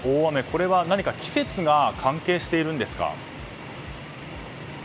これは何か季節が関係しているんですか？